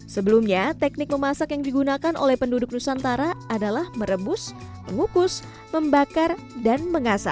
sebelumnya teknik memasak yang digunakan oleh penduduk nusantara adalah merebus mengukus membakar dan mengasah